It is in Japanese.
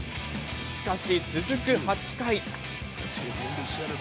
しかし、続く８回。